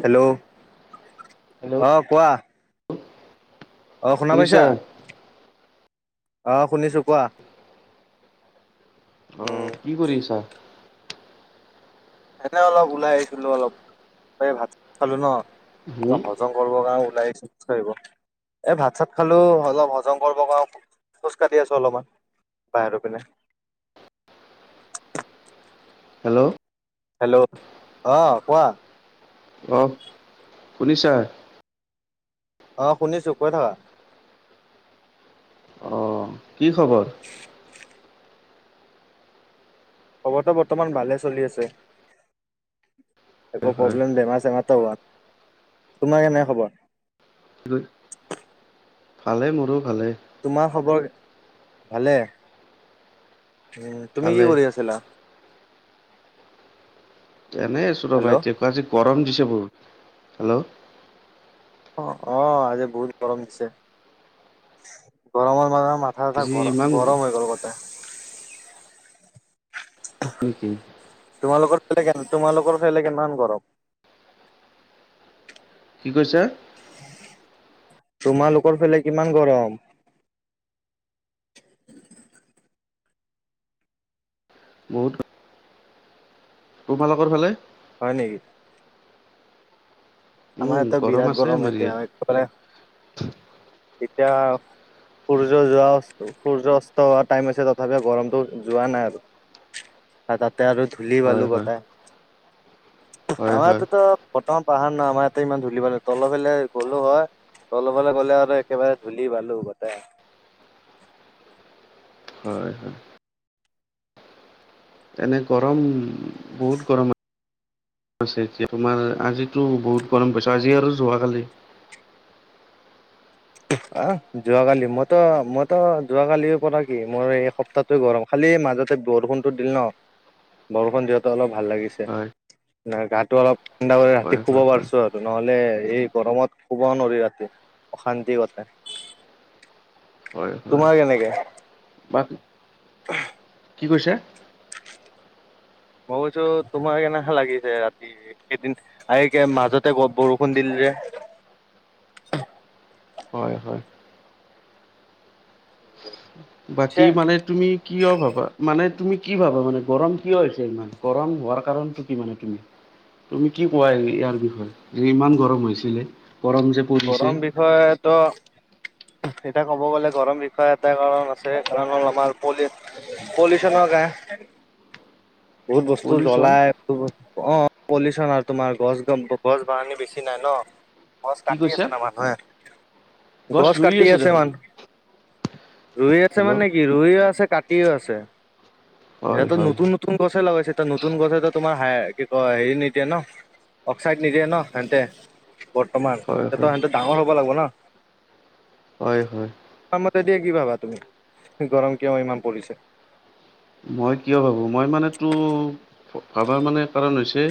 Hello hello আহ কোৱা। আহ শুনা শুনিছা পাইছা। আহ শুনিছো কোৱা। উম অ', কি কৰিছা? এনে অলপ ওলাই আহিছিলো অলপ এই ভাত খালো ন হুম অ', হজম কৰিব কাৰণ ওলাই আহছো খোজ কাঢ়িব। এই ভাত চাত খালো অলপ হজম কৰিব কাৰ খোজ কঢ়ি আছো অলপমান। বাইিৰৰপিনে। হেল্ল' হেল্ল' আহ কোৱা অ, শুনিছা? আহ শুনিছো কৈ থাকা। অ' কি খবৰ? খবৰটো বৰ্তমান ভালে চলি আছে হয় একো হয় প্ৰব্লেম বেমাৰ চেমাৰ টো হোৱা, তোমাৰ কেনে খবৰ? ভালে মোৰো ভালে তোমাৰ খবৰ ভালে? উম তুমি ভালে কি কৰি আছিলা? এনেই আছো ৰবা হেল্ল' এতি ক আজি গৰম দিছে বোৰ হেল্ল'। অ', অ', আজি বহুত গৰম দিছে গৰমৰ মাজ মাথা চথা আজি গৰ ইমান গৰম হৈ গ'ল গোতে। একেই। তোমালোকৰ তোমালোকৰ ফেলে কিমান গৰম? কি কৈছা? তোমালোকৰ ফালে কিমান গৰম? [inaudible] বহুত তোমালোকৰ ফালে। হয় নেক? উম আমাৰটা বিৰাট আছে গৰম আমাৰ এতিয়া ইয়াত একেবাৰে এতিয়া সূৰ্য যোৱা সূৰ্যাস্ত হোৱা টাইম আছে তথাপিও গৰমটো যোৱা নাই আৰু তাত তা আৰু ধূলি পালো হয় হয় বতাহ হয় হয় আমাৰতো বৰ্তমান পাহাৰ ন আমাৰ ইয়াতে ইমান ধূলি পাল তলৰ ফাললে গলো হয় তল ফলে গ'লে আৰু একেবাৰে ধূলি বালো বট হয় হয়। তেনে গৰম বহুত গৰম আ ছে এতিয়া তোমাৰ আজিতো বহুত গৰম পাইছো আজি আৰু যোৱাকালি। [inaudible] আহ যোৱাকালি মইতো মইতো যোৱাকালিৰ পৰা কি মোৰ এই সপ্তাহটো গৰম খালি মাজতে বৰষুণটো দিল ন বৰষুণ যহ অলপ ভাল লাগিছে হয় গাটো অলপ ঠাণ্ডা কৰি ৰাতি হয় শুব হয় হয় পাৰিছোঁ আৰু নহ'লে এই গৰমত শুব নোৱাৰ ৰাতি অশান্তি কটে হয় হয় বা [inaudible] কি কৈছা? মই কৈছো তোমাৰ কেনেকে লাগিছে ৰাতি কেইদিন আ মাজতে বৰষুণ দিল এ হয় হয়। [inaudible] বাকী মানে তুমি কিয় ভাবা মানে তুমি কি ভাবা মানে গৰম কিয় হৈছে ইমান গৰম হোৱাৰ কাৰণটো কি মানে তুমি তুমি কি কোৱা ইয়াৰ বিষয়ে যে ইমান গৰম হৈছিলে। গৰম যে পৰিছে গৰম বিষয়ে তো এতিয়া ক'ব গ'লে, গৰম বিষয়ে এটা কাৰণ আছে। কাৰণ হ'ল আমাৰ পলি-পলিউচনৰ [unintelligible] [unintelligible] [inaudible] বহুত বস্তু পলিউচন জ্বলাই [unintelligible] অ'। পলিউচন আৰু তোমাৰ গছ, [unintelligible] বেছি নাই ন। হ কি কাটি কৈছে? আছে ন মানুহে। গছ কাটি আছে মানু ৰুই আছে হেল্ল' মানে কি? ৰুইও আছে কাটিও আছে। হয় এতিয়াতো হয় নতুন নতুন গছে লগাইছে, নতুন গছে তোমাৰ হাই কি কয়, হেৰি নিদিয়ে ন, অক্সাইড নিদিয়ে ন সেহতে বৰ্তমান হয় হয় [unintelligible] ডাঙৰ হ'ব লাগিবনা। হয়, হয়। তোমাৰ মতে দিয়ে কি ভাবা তুমি? গৰম কিয় ইমান পৰিছে? মই কিয় ভাবো, মই মানেতো ভাবাৰ মানে কাৰণ হৈছে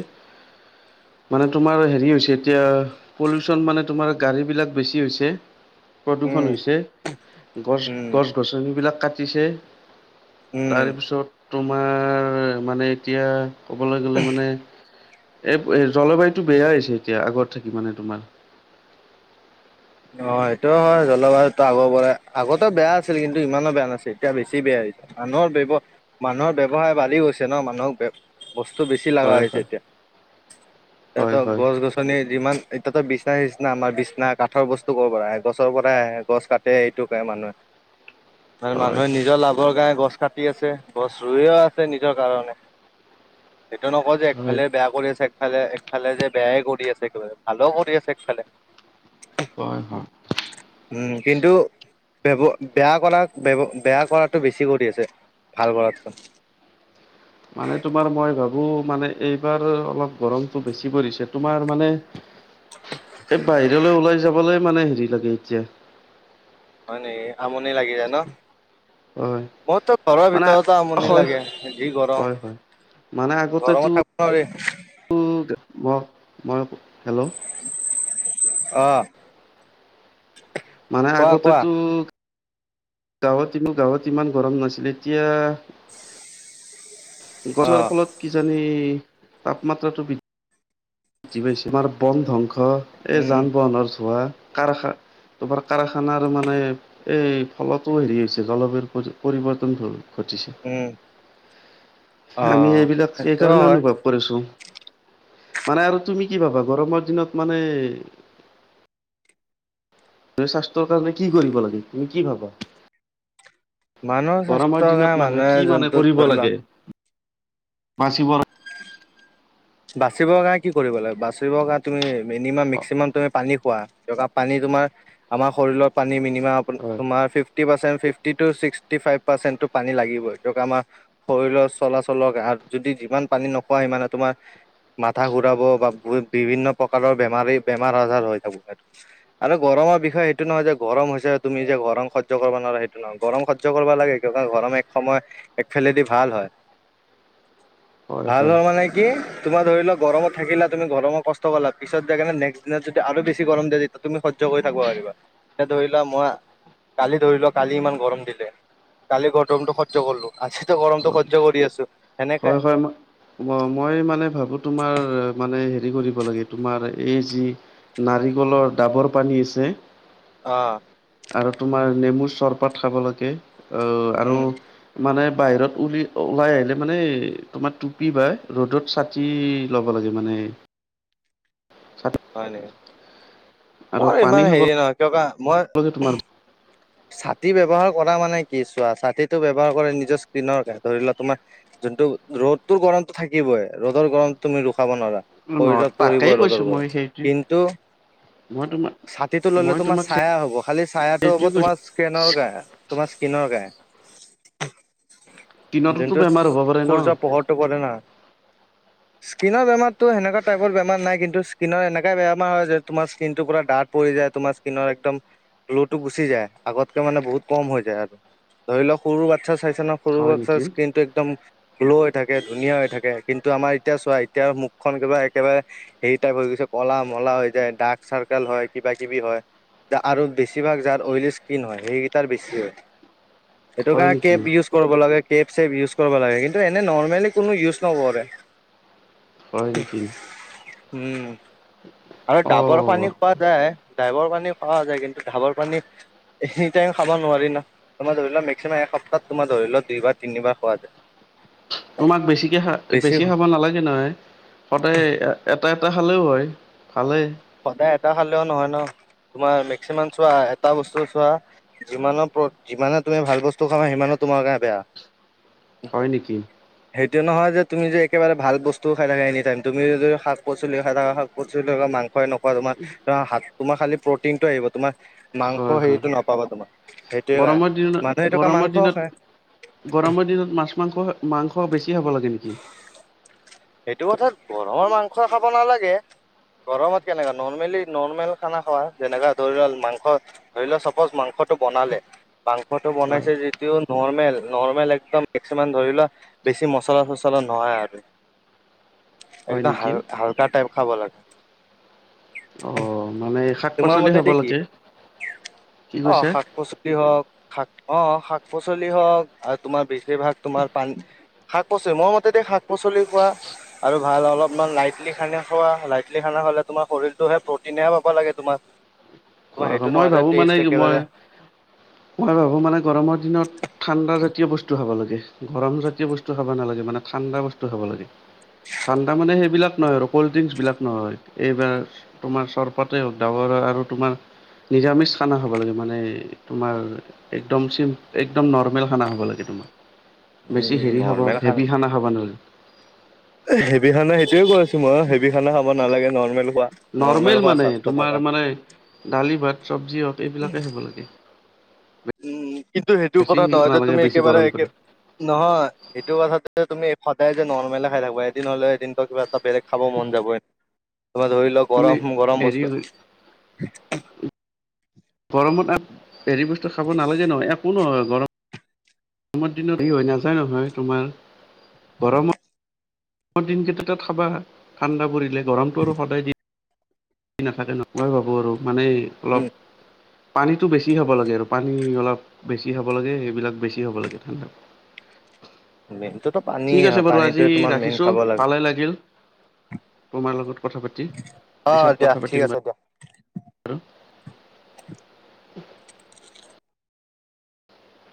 [inaudible] মানে তোমাৰ হেৰি হৈছে, এতিয়া পলিউচন মানে তোমাৰ গাড়ী বিলাক বেছি হৈছে প্ৰদূষণ উম হৈছে, গছ, উম গছ-গছনিবিলাক কাটিছে উম তাৰপিছত তোমাৰ মানে এতিয়া ক'বলৈ গ'লে মানে এই জলবায়ুতটো বেয়া হৈছে এতিয়া, আগত থাকি মানে তোমাৰ। অ', এইটো হয়। জলবায়ুতো আগৰ পৰা, আগতেও বেয়া আছিল কিন্তু ইমানো বেয়া নাছিল এতিয়া বেছি বেয়া মানুহৰ ব্যৱ-মানুহৰ ব্যৱসায় বাঢ়ি গৈছে ন। মানুহক ব্য বস্তু বেছি লগা হয় হৈছে হয় এতিয়া। হয় তেহেতক হয় গছ-গছনি যিমান [unintelligible] বিছনা নিচছনা আমাৰ বিছনা কাঠ কাঠৰ বস্তু ক'ৰ পৰা আহে? গছৰ পৰাই আহে। গছ কাটে এইটো কৰে মানুহে। মানে হয় হয় মানুহে নিজৰ লাভৰ কাৰণে গছ কাটি আছে। গছ ৰুইও আছে নিজৰ কাৰণে। সেইটো নকওঁ যে হয় একফালে বেয়া কৰি আছে, একফালে এ ইফালে যে বেয়াই কৰি আছে একেবাৰে, ভালও কৰি আছে একফালে। হয় হয় উম কিন্ত বেৱ, বেয়া কৰা, বেয়া, বেয়া কৰাটো বেছি কৰি আছে, ভাল কৰাতকৈ। আৰু মানে এইবাৰ অলপ গৰমটো বেছি পৰিছে, তোমাৰ মানে এই বাহিৰলৈ ওলাই যাবলৈ মানে হেৰি লাগে এতিয়া। হয় নেকি, আমনি লাগি যায় ন। হয় মোৰতো ঘৰৰ মানে ভিতৰতেই আমনি হয় লাগে, যি গৰম। হয় হয় মানে আগতেতো গৰমত থাকৱা নৰি। [unintelligible] মই, মই হেল্ল' অ'। মানে কোৱা কোৱা আগতেতো গাঁৱত যিজাম, গাঁৱত ইমান গৰম নাছিলে এতিয়া অ গছৰ ফলত কিজানি তাপমাত্ৰাটো বৃদ্ধি বিধি পাইছে আমাৰ বন ধ্বংস, এই উম যান বাহনৰ ধোৱা, কাৰখা তোমাৰ কাৰখানাৰ মানে, এই ফলতো হেৰি হৈছে, জলবায়ুৰ পৰি পৰিৱৰ্তনটো ঘটিছে, উম অ আমি এইবিলাক এই সেইটোও কাৰণে হয় অনুভৱ কৰিছো। মানে আৰু তুমি কি ভাবা, গৰমৰ দিনত মানে তুমি স্বাস্থ্যৰ কাৰণে, কি কৰিব লাগে, তুমি কি ভাবা? মানুহৰ গৰমৰ স্বাস্থ্যৰ দিনত কাৰণে মানুহে কি মানে, যোনটোত কৰিব ধৰি লোৱা লাগে। বাচিবৰ বাচিবৰ কাৰণে কি কৰিব লাগে, বাচিবৰ কাৰণে তুমি মিনিমাম ম্সিাম, তুমি পানী খোৱা, পানী তোমাৰ, আমাৰ শৰীৰৰ পানী মিনিমাম, তোমাৰ ফিফটি ৰ্পাচেনট, ফিফটিতো চিকটি ফাইফ ৰ্পাচেনট পানী লাগিব এইটো আমাৰ, শৰীৰৰ চলাচলৰ আৰু যদি যিমানে পানী নোখোৱা সিমানেই তোমাৰ [inaudible] মাথা ঘুৰাব বা বিভিন্ন প্ৰকাৰৰ বেমাৰী বেমাৰ আজাৰ হৈ থাকো স আৰু গৰমত মূৰ বিষায় সেইটো নহয় যে গৰম হৈছে তুমি যে গৰম সহ্য কৰিব নোৱা সেইটো নহয় গৰম সহজ কৰিব লাগে গৰম এক সময় এক খেলেদি ভাল হয়। [inaudible] ভাল হয় মানে কি তোমাৰ ধৰি লও গৰম থাকিল তুমি গৰম কষ্ট পিছত যায় কে নেক্সটিন যদি আৰু বেছি গৰম দিয়ে তেয়া তুমি সহ্য কৰি থাকিব পাৰিবা এ ধৰি লোৱা মই কালি ধৰি লোৱা কালি ইমান গৰম দিছে। কালি গৰমটো সহ্য কৰিলো আজিতো গৰমটো হয় সহ্য কৰি আছো। সেনেকে হয় হয় ম মই মানে ভাবো। তোমাৰ মানে হে কৰিব লে তোমাৰ এই যি নাৰিকলৰ দাবৰ পানী আ হে অ। আৰু তোমাৰ নেমুৰ চৰপাত খাব লাগে, অ আৰু উম মানে বাহিৰত উলি ওলাই আহিলে মানে তোমাৰ টুপি বা ৰ'দত ছাতি ল'ব লাগে মানে। ছাতি হয় নে? আৰু মোৰ পানী ইমান খাব হেৰি নহয় কিয় কা লাগে মই তোমাৰ ছাতি ব্যৱহাৰ কৰা মানে কি, চোৱা ছাতিটো ব্যৱহাৰ কৰে নিজৰ স্ক্ৰীনৰ কাৰনে, ধৰি লোৱা তোমাৰ ন্তু ৰ'দটো গৰম থাকিবই ৰ'দৰ গৰম তুমি ৰ খাব নোৱাৰা নহয় শৰীৰত তাকেই পৰিবই ৰদৰ কৈছো গৰম, মই সেইটো কিন্তু মই তোমাক ছাতিটো ললে মই তোমাৰ তোমাক ছায়া হ'ব খালি ছায়াটো হ'ব সেইটোৱে কৈছো তোমাৰ স্কেনৰ গা তোমাৰ স্কিনৰ গায়ে। স্কিনতোতো যোনটোত বেমাৰ হ'ব পাৰে ন সূৰ্য পোহৰটো পৰে না। [inaudible] স্কিনৰ বেমাৰটো সেনেকোৱা টাইপৰ বেমাৰ নাই, কিন্ত সকিনৰ এনেকা বেমাৰ হয় যে তোমাৰ স্কিনটো পোৰা ডাক পৰি যায় তোমাৰ স্কিনৰ একদম গ্ল' টো গুচি যায়। আগতকে মানে বহুত কম হৈ যায় আৰু, ধৰি লওক সৰু বাচ্ছা চাই ছ ন সৰু হয় বাচ্ছা নেকি স্কিনটো একদম গ্ল' হৈ থাকে ধুনীয়া হৈ থাকে, কিন্তু আমাৰ এতিয়া চোৱা এতিয়া মুখখন কিবা একেবাৰে হেৰি টাইপ হৈ গৈছে কলা মলা হৈ যায় ডাৰ্ক চাৰ্কল হয়, কিবা কিবি হয় আৰু বেছিভাগ যাৰ অইলি ইচ কিন হয় সেইকেইটাৰ বেছি হয়, সেইটো হয় কাৰণে নেকি কেব ইউজ কৰিব লাগে। টেপ চেপ ইউজ কৰিব লাগে কিন্তু এনে নৰ্মেলি কোনো ইউজ নকৰে। হয় নেকি [inaudible] উম আৰু ডাবৰ পানী অ খোৱা যায়। ড্ৰাইভৰ পানী খোৱা যায় কিন্তু ঢাবৰ পানী এনি টাইম খাব নোৱাৰি ন তোমাৰ ধৰি লোৱাক মেক্সিমাম এসপ্তাহ তোমাৰ ধৰি লোৱাক দুইবাৰ তিনিবাৰ খোৱা যায় তোমাক বেছিকে খা বেছি খাব নালাগে নহয় সদায় এটা এটা খালেও হয় ভালেই সদায় এটা খালেও নহয় ন তোমাৰ মেক্সিমাম চোৱা এটা বস্তু চোৱা যিমানৰ যিমানে তুমি ভাল বস্তু খামা সিমানত তোমাৰ কাৰণে বেয়া [inaudible] নেকি? সেইটোৱে নহয় যে তুমি যে একেবাৰে ভাল বস্তুও খাই থাকা এনি টাইম তুমি যদি শাক পচলি খাই থাকা শাক পচলি থকা মাং সই নোখোৱা তোমাত তোমাৰ খালি প্ৰটিনটো আহিব তোমাৰ মাংস হয় হয় হেৰিটো নাপাবা তোমাক সেইটোৱে গৰমৰ দিনত [unintelligible] মানুহে সেইটো [unintelligible] গৰমৰ মাংসও দিনত খায় গৰমৰ দিনত মাছ মাংস, মাংস বেছি খাব লাগে নেকি সেইটো কথাত গৰমৰ মাংস খাব নালাগে গৰমত কেনেকা নৰ্মেলি নৰ্মেল খানা খোৱা যেনে ধৰি ল মাংস ধৰি লোৱা চাপজ মাংস টো বনালে মাংসটো হয় বাইছে যিটো নৰ্মেল নৰ্মেল একদম মেক্সিমাম ধৰি লোৱা বেছি মচলা চচলা নহয় আৰু হয় একদম নেকি? হাল হাল্কা টাইপ খাব লাগে অ মানে শাক তোমাৰ পাচলি খাব মতেদি কি লাগে কি অ কৈছে? শাক পাচলি হওক শাক অ শাক পাচলি হওক আৰু তোমাৰ বেছিভাগ তোমাৰ পান শাক পাচলি মোৰ মতেদি শাক পাচ পাচলি পৰা আৰু ভাল অলপমান লাইটলি খানা খোৱা লাইটলি খানা খালে তোমাৰ শৰীৰতটোহে প্ৰ'টিনহে পাব লাগে তোমাক হয় মই ভাবোঁ মানে মই, মই ভাবো মানে গৰমৰ দিনত ঠাণ্ডা জাতীয় বস্ তু খাব লাগে। গৰম জাতীয় বস্তু খাব নালাগে মানে ঠাণ্ডা বস্তু খাবা লাগে। ঠাণ্ডা মানে সেইবিলাক নহয় আৰু কল্ড ড্ৰিংকচ বিলাক নহয়। এইবাৰ তোমাৰ চৰপতে হওক ডাৱৰৰ আৰু তোমাৰ নিৰামিচ খানা খাবা লাগে মানে এই তোমাৰ একদম চিম একদম নৰ্মেল খানা হ'ব লাগে তোমাৰ। বেছি উম হেৰি খাব নৰ্মেল হেভি খানা খাবা নাল হেভি খানা সেইটোয়ে কৈ আছো মই হেভি খানা খাব নালাগে নৰ্মেল খোৱা নৰ্মেল খোৱা মানে, স্বাস্থ্য থাকা। তোমাৰ মানে দালি ভাত চব্জি হওক এইবিলাকে খাবা লাগে। উম, কিন্তু সেইটো বেছি কথা নহয় যে নালাগে তুমি বেছি একেবাৰে গৰম একে, কৰি নহয় সেইটো কথা তুমি সদায় যে নৰ্মলে খাই থাকবা এদিন হ'লে এদিনত কিবা এটা বেলেগ খাব মন যাবয়ে। তোমাৰ ধৰি লোৱা তুমি গৰম-গৰম হেৰি বস্তু। গৰমত আ হেৰি বস্তু খাব নালাগে নহয়, একো নহয় গৰম গৰমৰ দিনত এই হৈ নাযায় নহয় তোমাৰ। গৰমত দিনকেইটাত খাবা ঠাণ্ডা পৰিলে গৰমটো আৰু সদায় দি নাথাকে নই। মই ভাবোঁ আৰু মানে অলপ উম পানীটো বেছি খাব লাগে আৰু পানী অলপ বেছি খাব লাগে এইবিলাক বেছি খাব লাগে ঠাণ্ডাত। [inaudible] [unintelligible] ঠিক আছে হয় বাৰু আজি পানীটোৱে তোমাৰ মেইন ৰাখিছো খাব লাগে। ভালে লাগিল, তোমাৰ লগত কথা পাতি, অ পিছত দিয়া কথা ঠিক পাতিম আছে বা দিয়া। ৰু।